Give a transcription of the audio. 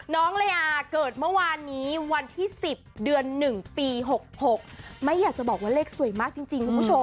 ละอาเกิดเมื่อวานนี้วันที่๑๐เดือน๑ปี๖๖ไม่อยากจะบอกว่าเลขสวยมากจริงคุณผู้ชม